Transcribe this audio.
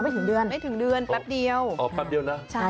อ๋อแป๊ปเดียวนะ